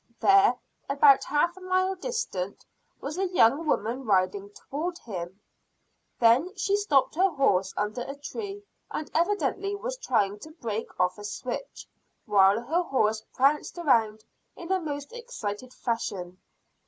There, about half a mile distant, was a young woman riding toward him. Then she stopped her horse under a tree, and evidently was trying to break off a switch, while her horse pranced around in a most excited fashion.